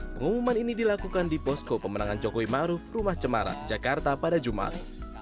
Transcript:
pengumuman ini dilakukan di posko pemenangan jokowi maruf rumah cemarak jakarta pada jumat